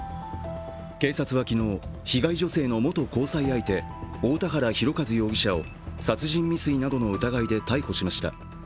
警察は昨日、被害女性の元交際相手、太田原広和容疑者を殺人未遂などの疑いで逮捕しました。